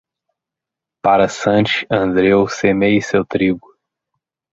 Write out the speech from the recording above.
Para Sant Andreu, semeie seu trigo.